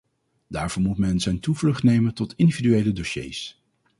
Daarvoor moest men zijn toevlucht nemen tot individuele dossiers.